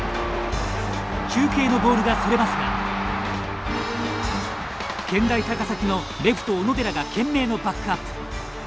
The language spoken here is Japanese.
中継のボールがそれますが健大高崎のレフト小野寺が懸命のバックアップ。